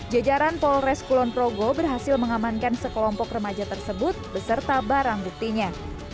jejaran polres klonprogo berhasil mengamankan sekelompok remaja tersebut beserta barang buktinya